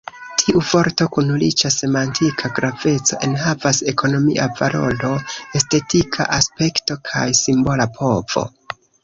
Tiu vorto, kun riĉa semantika graveco, enhavas ekonomia valoro, estetika aspekto kaj simbola povo.